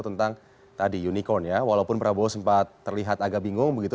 tentang tadi unicorn ya walaupun prabowo sempat terlihat agak bingung begitu